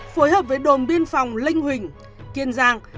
phối hợp với đồn biên phòng linh huỳnh kiên giang